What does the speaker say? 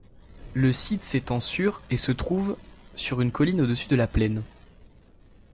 Le site s'étend sur et se trouve sur une colline au-dessus de la plaine.